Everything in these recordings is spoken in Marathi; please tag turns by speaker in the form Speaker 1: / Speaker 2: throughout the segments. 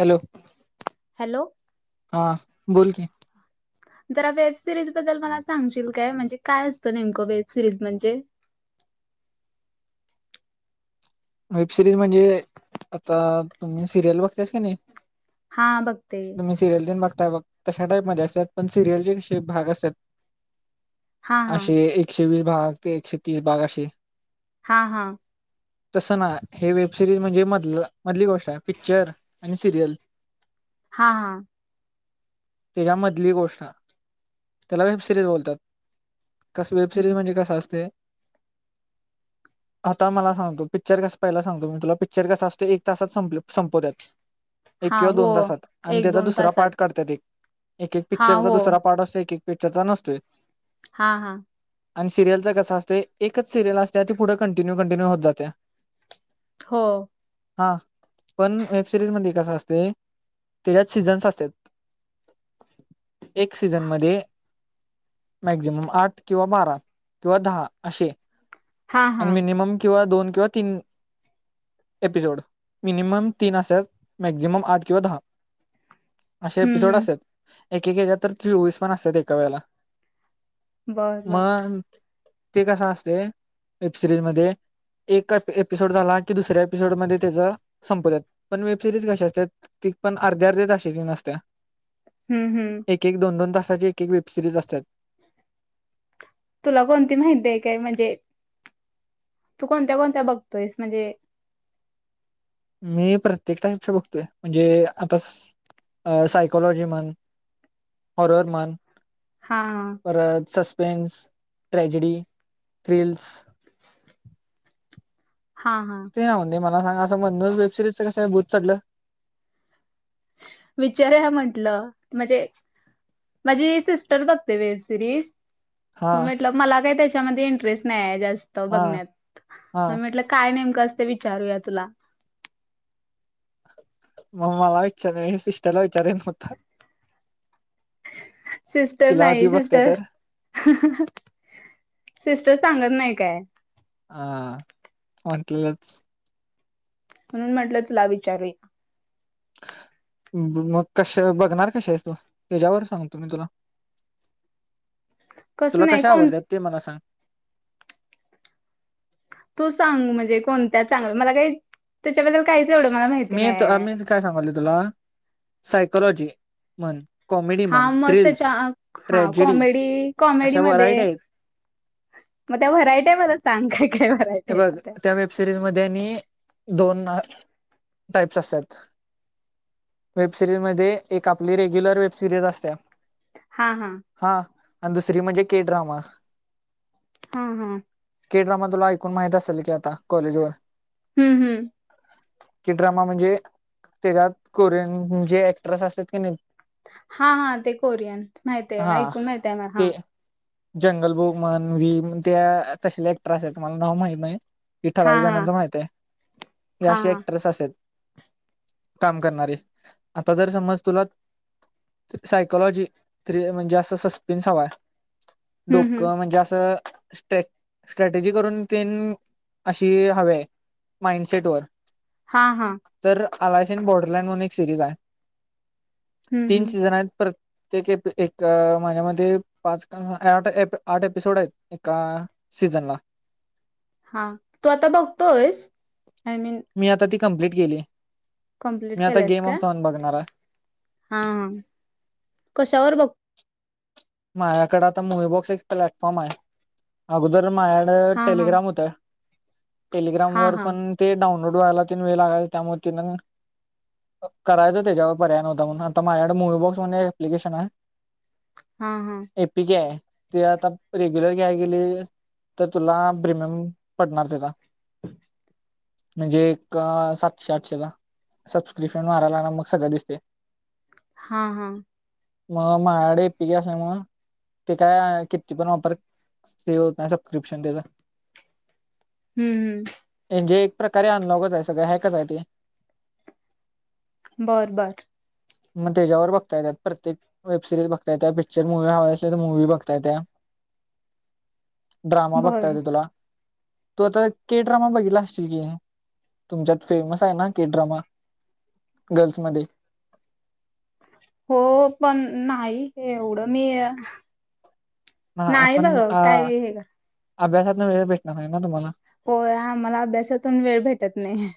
Speaker 1: हॅलो
Speaker 2: हॅलो
Speaker 1: हा बोल की
Speaker 2: जरा वेब सिरीज बद्दल मला सांगशील काय म्हणजे काय असतं नेमकं वेब सिरीज म्हण्जे
Speaker 1: [inaudible] वेब सिरीज म्हणजे आता तुमी सिरियल बघत्यास कनी
Speaker 2: हा बघतोय
Speaker 1: बघताय बग तशा टाईप मदे असत्यात पण सिरियलचे कशे भाग असत्यात
Speaker 2: हा हा
Speaker 1: अशे एकशे वीस भाग ते एकशे तीस भाग अशे
Speaker 2: हा हा
Speaker 1: तसं नाय हे वेबसिरीज म्हण्जे मध मधली गोष्ट हाय हे पिक्चर आणि सिरियल
Speaker 2: हा हा
Speaker 1: हेज्या मधली गोष्ट तेला वेब सिरीज बोलतात कस वेब सिरीज
Speaker 2: हम्म.
Speaker 1: म्हण्जे कस असतय आता मला सांग तु पिक्चर कसं पाहिला सांगतो मी तुला पिक्चर कस असतोय तासात संपल संपवत्यात एक
Speaker 2: हा
Speaker 1: किंवा
Speaker 2: हो
Speaker 1: दोन तासात आणि
Speaker 2: एक
Speaker 1: तेजा
Speaker 2: दोन
Speaker 1: दुसरा पार्ट
Speaker 2: तासात
Speaker 1: काढत्यात एक एक एक
Speaker 2: हा
Speaker 1: पिक्चरचा
Speaker 2: हो
Speaker 1: दुसरा पार्ट असतोय, एक एक पिक्चरचा नसतोय.
Speaker 2: हां हां.
Speaker 1: आणि सिरियलचं कस असतय, एकच सिरियल असत्या ती पुढ कंटिन्यू कंटिन्यू होत जात्या.
Speaker 2: हो.
Speaker 1: हां पण, वेब सिरीज मध्ये कसं असतय त्यांच्यात सीझन्स असत्यात, एक सीझनमध्ये मॅक्झिमम आठ किंवा बारा किंवा दहा अशे
Speaker 2: हा हा
Speaker 1: आणि मिनिमम किंवा दोन किंवा तीन एपिसोड मिनिमम तीन असत्यात, मॅक्झिमम आठ किंवा दहा. असे
Speaker 2: हम्म
Speaker 1: एपिसोड
Speaker 2: हम्म
Speaker 1: असत्यात एक एक हेच्यात तर चोवीस पण असत्यात एका वेळेला.
Speaker 2: बर बर
Speaker 1: मग ते कसं असतय वेबसिरीज मदे एक एपिसोड झाला की दुसऱ्या एपिसोडमध्ये तेचं संपवत्यात पण, वेबसिरीज कशी असत्यात एक पण अर्ध्या अर्ध्या तासांची नसत्या
Speaker 2: हम्म हम्म
Speaker 1: एक एक दोन दोन तासांची एक एक वेब सिरीज असत्यात.
Speaker 2: तुला कोणती माहितीय काय म्हण्जे? तू कोणत्या कोणत्या बघतोयस म्हण्जे
Speaker 1: मी प्रत्येक टाईपच बघतोय म्हण्जे आता स सायकलॉजी म्हण, हॉरर म्हण
Speaker 2: हा
Speaker 1: परत संसपे प्लेन्स, ट्रॅजडी, थ्रील्स.
Speaker 2: हां हां.
Speaker 1: ते ना म्हणजे मला सांग असं मधनच वेबसिरीज च कसं काय भूत चढलं?
Speaker 2: विचारुया म्हंटलं अ म्हंजे. माजी सिस्टर बघते वेबसिरीज.
Speaker 1: हा
Speaker 2: मग म्हटलं मला काय तेच्यामध्ये इंटरेस्ट नाहीय जास्त
Speaker 1: हा
Speaker 2: बघण्यात.
Speaker 1: हा
Speaker 2: म म्हटलं काय नेमकं असतय विचारूया तुला.
Speaker 1: मग मला विचारल सिस्टरला विचारेन फक्तं
Speaker 2: सिस्टर नाही
Speaker 1: बघते
Speaker 2: सिस्टर
Speaker 1: तर
Speaker 2: सिस्ट ते सांगत नाय काय.
Speaker 1: हां वाटलंच.
Speaker 2: म्हणून म्हंटलं तुला विचारू एक.
Speaker 1: मग कश बघणार कशी हायस तु तेच्यावर सांगतो मी तुला.
Speaker 2: कसं
Speaker 1: तुला
Speaker 2: नाही
Speaker 1: कशा
Speaker 2: कोण
Speaker 1: आवडत्या ते मला सांग.
Speaker 2: तू सांग म्हंजे कोणत्या चांगल्या मला काइ तेच्याबद्दल काही एवढं मला माहिती
Speaker 1: मी त
Speaker 2: नाही
Speaker 1: मी काय सांगलोय तुला सायकलॉजी म्हण. कॉमेडी म्हण
Speaker 2: हा मग
Speaker 1: थ्रिल्स
Speaker 2: त्याच्या आ हा
Speaker 1: ट्रॅजेडी
Speaker 2: कॉमेडी
Speaker 1: अशा व्हरायटी
Speaker 2: कॉमेडीमध्ये
Speaker 1: आहेत
Speaker 2: मग त्या व्हरायट्या मला सांग काय ते.
Speaker 1: बघ त्या वेब सिरीज मध्ये आणि दोन टाईप्स असतात. वेबसिरीज मध्ये एक आपली रेग्युलर वेबसिरीज असत्या.
Speaker 2: हां हां.
Speaker 1: आणि दुसरी म्हंजे के ड्रामा.
Speaker 2: हां हां.
Speaker 1: के ड्रमा तुला ऐकून माहित असल कि आता. कॉलेजवर
Speaker 2: हम्म हम्म.
Speaker 1: के ड्रामा म्हणजे त्याच्यात कोरियन जे ऍक्टरेस असत की नाहीं
Speaker 2: हा हा ते कोरियन माहित आहे
Speaker 1: हा
Speaker 2: ऐकून माहित आहे मला
Speaker 1: ते
Speaker 2: हा
Speaker 1: जंगल बुक म्हन व्हीम त्या तशले ऍक्टर आसलेत त मला नाव माहित नाही. की
Speaker 2: हा
Speaker 1: ठरावीक
Speaker 2: हा
Speaker 1: जणांच माहित आहे की
Speaker 2: हा
Speaker 1: अशे
Speaker 2: हा
Speaker 1: ऍक्ट्रेस असतेत. काम करणारे आता जर समज तुला सायकोलॉजी थ्री म्हणजे असं सस्पेन्स हवाय.
Speaker 2: हम्म हम्म
Speaker 1: डोकं म्हणजे असं स्टेे स्टे ते जे करून ते अशी हवे आहे, माइंडसेट वर.
Speaker 2: हा हा.
Speaker 1: अलायसिन बोर्डरलँड म्हणून एक सिरीज आहे,
Speaker 2: हम्म
Speaker 1: तीन
Speaker 2: हम्म
Speaker 1: सीझन आहेत परत. ते एक माझ्यामध्येध्ये पाच आठ आठ एपिसोड आहेत एका [unintelligible] सीझन ला.
Speaker 2: हा तू आता बघतोस नाय मीन.
Speaker 1: मी आता ती कंप्लीट केली
Speaker 2: कम्प्लीट
Speaker 1: मी आता
Speaker 2: केलंयस
Speaker 1: गेम
Speaker 2: का?
Speaker 1: ऑफनॉन बघणार आहे.
Speaker 2: हा कशावर बघ
Speaker 1: माझ्याकडे आता मूवी बॉक्स एक प्लॅटफॉर्म आहे अगोदर. माझकड
Speaker 2: हा हा
Speaker 1: टेलिग्राम होतं. टेलिग्राम
Speaker 2: हा
Speaker 1: वर
Speaker 2: हा
Speaker 1: पण ते डाउनलोड व्हायला तीन वेळ लागा त्यामुळे तिन. करायचं त्याच्यावर पर्याय नवता म्हणून आता माझ्याकड मुलबॉक्स म्हणून प्लिकेशन आहे.
Speaker 2: हा हा
Speaker 1: एपिक या ते आता रेग्युलर घय गेले तर तुला प्रिमियम पडणार तेचा.
Speaker 2: अ [inaudible]
Speaker 1: म्हणजे एक सातशे आठशेचा. सबस्क्रिप्शन मारयला लागणार मग सगळं दिसतेय.
Speaker 2: हा हा.
Speaker 1: मग मायाड. पीएसआय ते काय किती पण वापर ते होत नाही सबस्क्रिप्शन त्याज. [inaudible]
Speaker 2: हम्म हम्म.
Speaker 1: म्हणजे एक प्रकारे अनलॉगच आहे, सगळं ह्याकच आहे ते.
Speaker 2: बर बर.
Speaker 1: मग त्याच्यावर बघता येतात प्रत्यक वेबिरीज बघ त्या पिक्चर म मुवी हव असल तर मूव बघताय तय. ड्रामा
Speaker 2: बर
Speaker 1: बघता
Speaker 2: बर.
Speaker 1: येत तुला तू आता के ड्रामा बघितला असश कि. तुमच्यात फेमस आहे, ना के ड्रमा गर्ल्स मध्ये.
Speaker 2: हो पण नाही एवढं मी. नाही बघत काय हे कर.
Speaker 1: अभ्यासातून वेळ भेटणार नाही ना तुम्हाला.
Speaker 2: हो मला अभ्यासातून वेळ भेटत नाही.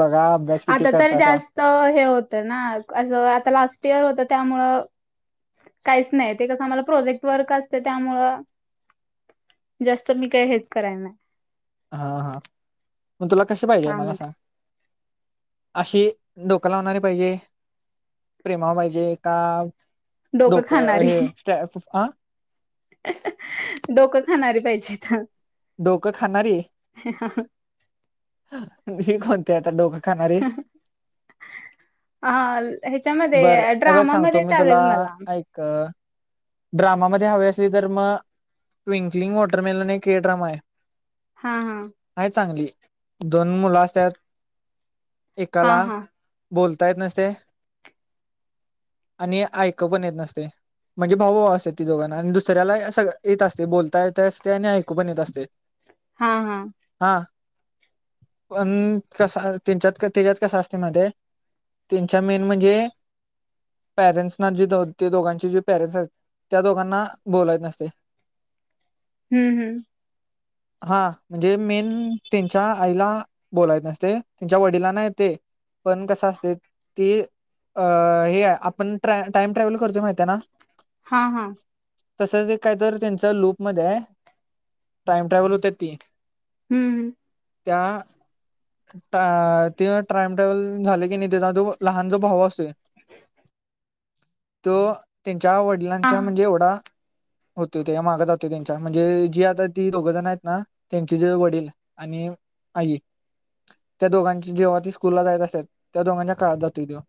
Speaker 1: बघा अभ्यास किती
Speaker 2: आता तरी
Speaker 1: करतासा
Speaker 2: जास्त हे होत, ना अस आता लास्ट इयर होत. त्यामुळे काहीच नाही ते कस आला प्रजेक्ट वर्क असत त्यामळ. जास्त मी काय हेच कराय नाही.
Speaker 1: हा हा मग तुला कसे पाहिजे मला
Speaker 2: कामध्ये
Speaker 1: सांग. अशी डोकं लावणारी पाहिजे प्रेमावर पाहिजे का.
Speaker 2: डोकं
Speaker 1: डोक हे स्टॅ फु आ.
Speaker 2: हं हं अ डोकं खाणारी पाहिजेथ.
Speaker 1: डोकं खाणारी. विषय कोणतें आता डोकं खाणारे.
Speaker 2: हा
Speaker 1: बर
Speaker 2: ह्याच्यामध्ये
Speaker 1: ऐ बघ सांगतो
Speaker 2: ड्रामामध्ये
Speaker 1: मी तुला
Speaker 2: चालेल मला
Speaker 1: ऐक. ड्रामामध्ये हवे असली तर मग टविंकलिंग वॉटरमेलनहा एक हे ड्रामा आहे.
Speaker 2: हा हा
Speaker 1: आहे चांगली दोन मुलं असत्यात.
Speaker 2: हा
Speaker 1: एकाला
Speaker 2: हा
Speaker 1: बोलता येत नसतय. आणि ऐकु पण येत नसतेय. म्हणजे भाऊ असत्यात ती दोघांना आणि दुसऱ्याला सगळं येत असतंय बोलता येत असतेय आणि ऐकू पण येत असतेय.
Speaker 2: हा हा.
Speaker 1: पण कसा त्याच्यात तेज्यात कस असतंय माहिती असतंय त्यांच्या मेन म्हणजे पॅरेंट्सना जे ते दोघांची जे पॅरेंट्स आहेत त्या दोघांना बोलाय येत नसते [unintelligible]
Speaker 2: हम्म हम्म
Speaker 1: [unintelligible] हा म्हणजे मेन त्यांच्या आईला बोलायला येत नसतय त्यांच्या वडिला ना येतंय पण कस असतय ते अ हे आपण टाइम ट्रॅव्हल करतोय माहित आहे ना
Speaker 2: हा हा.
Speaker 1: तसंच एक कायतर त्यांच लूपमध्ये आहे टाइम ट्रॅव्हल होते ती.
Speaker 2: हम्म हम्म.
Speaker 1: त्या. ते टाइम ट्रॅव्हल झाले की नाही त्याचा जो लहान जो भाऊ असतोय
Speaker 2: [inaudible]
Speaker 1: तो त्यांच्या
Speaker 2: हा
Speaker 1: वडिलांच्या म्हणजे एवढा होतो त्या माग जातो त्यांच्या म्हणजे जी आता ती दोघ जण आहेत ना त्यांचे जे वडील आणि आई त्या दोघांची जेव्हा ती स्कूलला जायत असत त्या दोघांच्या काळात जात तवा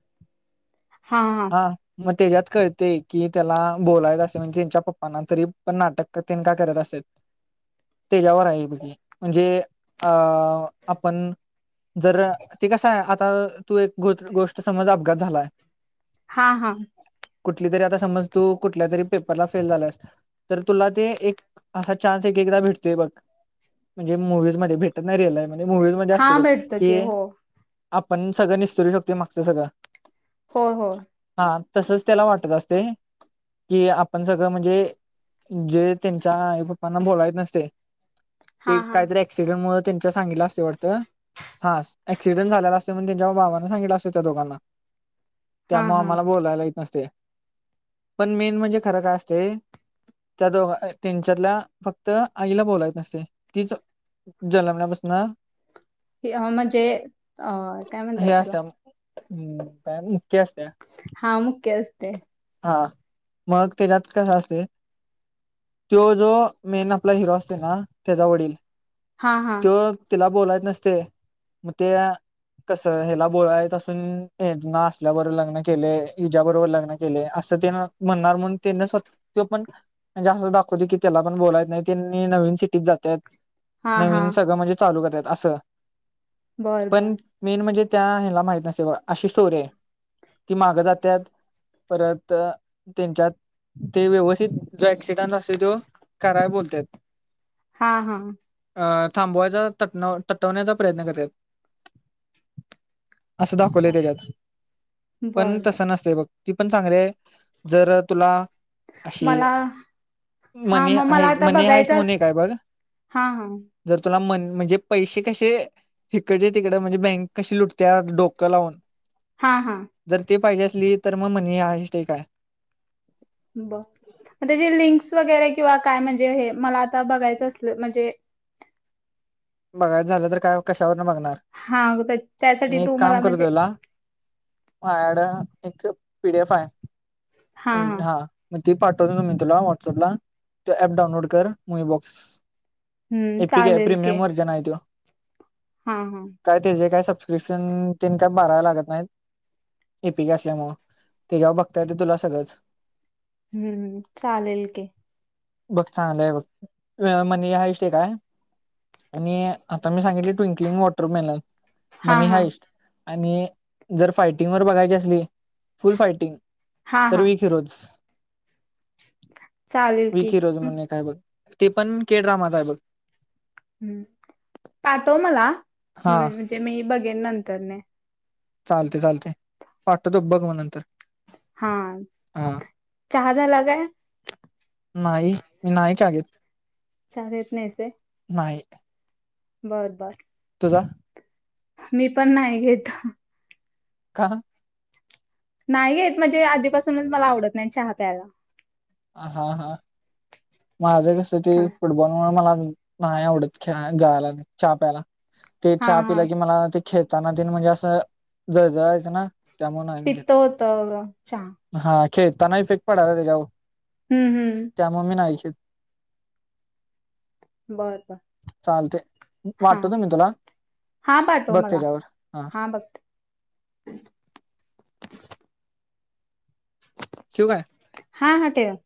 Speaker 2: हा हा.
Speaker 1: त्याच्यात कळते की त्याला बोलायच असं म्हणजे त्यांच्या पप्पांना तरी पण नाटक करते का करत असेल त्याच्यावर आहे बघी म्हणजे अ आपण जर ते कस आहे आता तू एक गोष्ट समज अपघात झालाय
Speaker 2: हा हा.
Speaker 1: कुठली तरी आता समज तू कुठल्या तरी पेपरला फेल झाल्यास तर तुला ते एक असा चान्स एक एकदा भेटतोय बघ म्हणजे मूवीज मध्ये भेटत नाही रिलय म्हणजे मूवी मध्ये असतय
Speaker 2: हा
Speaker 1: बग
Speaker 2: भेटतो
Speaker 1: की
Speaker 2: हो
Speaker 1: आपण सगळं निस्तरू शकत मागचं सगळं
Speaker 2: हो हो.
Speaker 1: हा तसच त्याला वाटत असते की आपण सगळं म्हणजे जे त्यांच्या आईप्पांना बोलायच नसतय ते
Speaker 2: हा हा
Speaker 1: काहीतर एक्सिडेंट मूळ त्यांच्या सांगितला असतय वाटतं हां ऍक्सिडेंट झालेला असतोय मग त्यांच्या बाबाना सांगितलं असतं त्या दोघांना
Speaker 2: हा
Speaker 1: त्यामुळं
Speaker 2: हा
Speaker 1: आम्हाला बोलायला येत नसतय. पण मेन म्हणजे खरं काय असतय त्या दोघ त्यांच्यातल्या फक्त आईला बोलायला येत नसतय तीच जन्मनापासनं
Speaker 2: म्हणजे अ काय म्हणतात त्याला
Speaker 1: हम्म काय बी
Speaker 2: हा मुख्य असते.
Speaker 1: हा मग त्याच्यात कस असतय. तो जो मेन आपला हिरो असते ना त्याचा वडील
Speaker 2: हा हा
Speaker 1: तो त्यािला. बोलायला येत नसतय मग त्या कस हला बोलाय येत असून ह्यानं असल्याबरोबर लग्न केले हीज्याबरोबर लग्न. अस तेन म्हणणार म्हणून पण म्हणजे असं दाखवते की त्याला पण बोलाय येत नाही. त्यांनी नवीन सिटीत जात्यात.
Speaker 2: हा हा
Speaker 1: नवीन सगळं म्हणजे चालू करतात असं
Speaker 2: बर बर
Speaker 1: पण मेन म्हणजे. त्या ह्याला माहित नसतय बगा अशी स्टोरी आहे ती मागं जात्यात. परत त्यांच्यात ते व्यवस्थित जो ऍक्सिडेंट असतोय तो कराय बोलत्यात.
Speaker 2: हा हा
Speaker 1: अ थांबवायचा तटवण्याचा प्रयत्न करत्यात. असं दाखवले त्याच्यात पण
Speaker 2: बर बर
Speaker 1: तसं नसत बघ. ती पण चांगली हाय जर तुला. अशी
Speaker 2: मला हा
Speaker 1: मनी
Speaker 2: मग मला
Speaker 1: आहेत
Speaker 2: आता
Speaker 1: मनी आहेत
Speaker 2: बघायचं
Speaker 1: मनी
Speaker 2: अस-
Speaker 1: काय बघ.
Speaker 2: हा हा
Speaker 1: म्हणजे पैसे कसे इिकडचे तिकडे म्हणजे बँक कशी लुटते डोकं लावून.
Speaker 2: हा हा
Speaker 1: जर त पाहिजे असली तर मग मनी आलते काय.
Speaker 2: ब त्या लिं [inaudible] [unintelligible] वरे किंवा काय म्हणजे मला आता बघायचं अस म्हणजे
Speaker 1: बघायच झालं तर काय कशावर. बघणार
Speaker 2: हा त्यासाठी
Speaker 1: मी एक
Speaker 2: तू
Speaker 1: काम
Speaker 2: मला म्हणजे
Speaker 1: करतो. मायड एक पीडीएफ आहे हा. ती पाठवते मी तुला व्हॉट्सअपला तो ऍप डाऊनलोड कर मुई बॉक्स.
Speaker 2: हम्म
Speaker 1: एपिक आहे
Speaker 2: चालेल
Speaker 1: प्रीमियम
Speaker 2: की.
Speaker 1: व्हर्जन काय
Speaker 2: हा हा
Speaker 1: ते जे काय. क्रिशन तीन का बारा लागत नाहीत एपीके असल्यामुळं त्याच्यावर बघताय ते तुला सगळंच.
Speaker 2: हम्म चालेल की
Speaker 1: बघ चांगलंय बघ हा एक विषय [inaudible] [unintelligible] आणि आता मी सांगितले ट्विंकलिंग वाटर पॅनल
Speaker 2: हा
Speaker 1: मनी
Speaker 2: हा
Speaker 1: हायस्ट. आणि जर फायटिंग वर बघायची असली तर फुल फायटिंग.
Speaker 2: हा
Speaker 1: तर
Speaker 2: हा
Speaker 1: बिफोरस.
Speaker 2: चालेल की
Speaker 1: विखी रोज
Speaker 2: हम्म,
Speaker 1: म्ह का आहे बघ ते पण के ड्रामाच आहे बघ.
Speaker 2: पाठव मला
Speaker 1: हा
Speaker 2: म्हणजे मी बघेन नंतरने.
Speaker 1: चालते चालते वाटततो बघ मग नंतर.
Speaker 2: हा
Speaker 1: हा
Speaker 2: चहा झाला काय.
Speaker 1: नाही मी नाही चहा घेत.
Speaker 2: चहा घेत नाहीस व्हय.
Speaker 1: हाय.
Speaker 2: बर बर.
Speaker 1: तुझा?
Speaker 2: मी पण नाही घेत.
Speaker 1: का?
Speaker 2: नाहीे घेत म्हणजे आधीपासूनच मला‌ आवडत नाही चहा प्यायला.
Speaker 1: हा हा माझं कस ते
Speaker 2: त्यामुळे.
Speaker 1: फुटबॉलमुळे मला. नाही आवडत खेळायला जायला चा प्याला ते
Speaker 2: हा
Speaker 1: चा
Speaker 2: हा
Speaker 1: पिला की मला. खेताना तन म्हणजे असं ज जळायचं ना. त्यामुळे नाही मी घेत.
Speaker 2: पित्त होत चहा
Speaker 1: खेळताना इफेक्ट पडाला त्याच्यावर
Speaker 2: हम्म हम्म
Speaker 1: त्यामुळे मी नाही घेत.
Speaker 2: बर.
Speaker 1: चालते
Speaker 2: हा
Speaker 1: वाटतत मी तुला
Speaker 2: हा पाठव मला
Speaker 1: बतेजवर हा. शू काय?
Speaker 2: हा हा तेव.